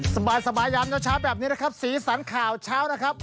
สบายยามเช้าแบบนี้นะครับสีสันข่าวเช้านะครับ